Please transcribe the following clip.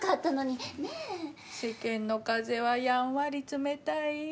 世間の風はやんわり冷たい。